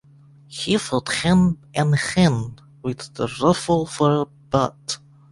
He fought hand-and-hand with the revolver-butt.